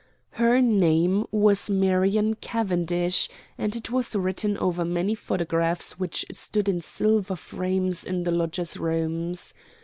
Her name was Marion Cavendish and it was written over many photographs which stood in silver frames in the lodger's rooms.